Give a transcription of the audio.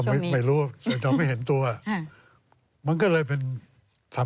บอกอยู่ที่มนิธีปลาลอยศ์ต่อค่ะ